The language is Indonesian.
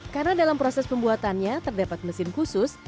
karena dalam proses pembuatannya terdapat mesin khusus